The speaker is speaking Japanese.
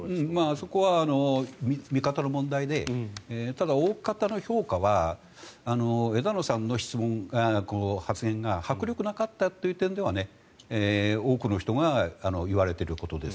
そこは見方の問題でただ、大方の評価は枝野さんの発言が迫力がなかったという点では多くの人が言われていることです。